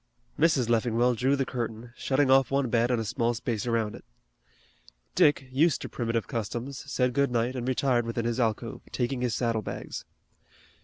Mrs. Leffingwell drew the curtain shutting off one bed and a small space around it. Dick, used to primitive customs, said good night and retired within his alcove, taking his saddle bags.